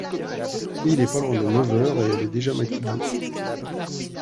Il est pas loin de neuf heures et elle est déjà maquillée.